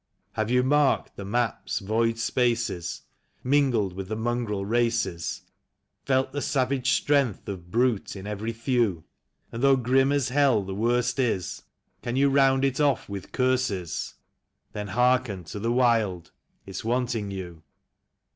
Have you marked the map's void spaces, mingled with the mongrel races. Felt the savage strength of brute in every thew? And though grim as hell the worst is, can you round it off with curses? Then hearken to the wild — it's wanting you.